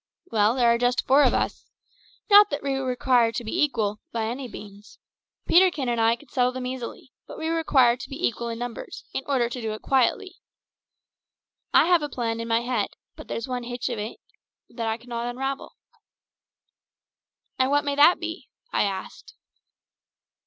Well, there are just four of us not that we require to be equal, by any means. Peterkin and I could settle them easily; but we require to be equal in numbers, in order to do it quietly. I have a plan in my head, but there's one hitch in it that I cannot unravel." "And what may that be?" If asked.